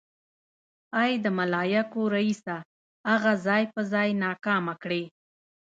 ای د ملايکو ريسه اغه ځای په ځای ناکامه کړې.